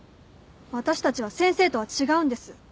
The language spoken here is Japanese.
私たちは先生とは違うんです。